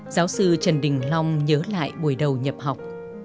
giáo sư trần đình long nhớ lại buổi đầu nhập học